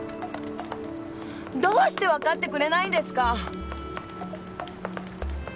どうして分かってくれないんですか！